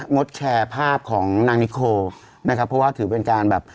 งดแชร์ภาพของนางนิโคนะครับเพราะว่าถือเป็นการแบบ